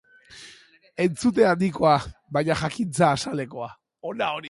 Entzute handikoa, baina jakintza azalekoa.